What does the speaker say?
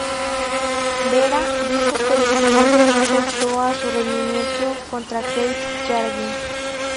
Vera dijo que el incidente no afectó a su rendimiento contra Keith Jardine.